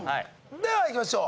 ではいきましょう。